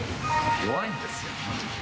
弱いんですよ。